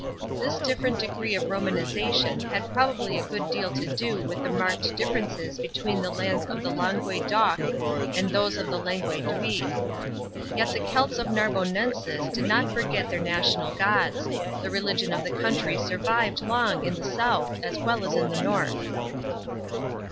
This different degree of Romanisation had 84 PROVINCIAL ADMINISTRATION. CHAP. vi. probably a good deal to do with the marked differences between the lands of the langue d'oc and those of the langue d'oui. Yet the Celts of Narbonensis did not forget their national gods ; the religion of the country survived long in the south as well as in the north.